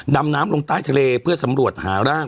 ดำน้ำลงใต้ทะเลเพื่อสำรวจหาร่าง